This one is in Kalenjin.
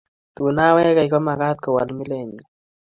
Tun nawekei komakat kowol milenyin